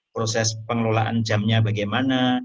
proses pengelolaan jamnya bagaimana